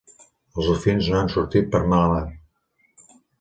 Els dofins no han sortit per mala mar.